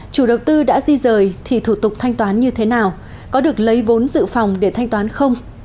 chủ đầu tư đã di rời thì thủ tục thanh toán như thế nào có được lấy vốn dự phòng để thanh toán không